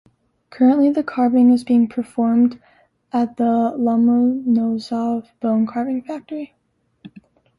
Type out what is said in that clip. Currently the carving is being performed at the Lomonosov Bone Carving Factory.